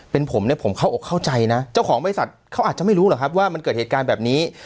เป็นผมเนี่ยผมเข้าอกเข้าใจนะเจ้าของบริษัทเขาอาจจะไม่รู้หรอกครับว่ามันเกิดเหตุการณ์แบบนี้